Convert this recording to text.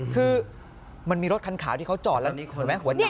คือมันมีรถคันขาวที่เขาจอดแล้ว